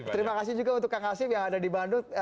terima kasih juga untuk kang hasim yang ada di bandung